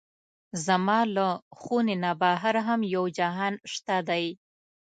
زما له خونې نه بهر هم یو جهان شته دی.